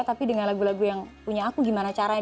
tapi dengan lagu lagu yang punya aku gimana caranya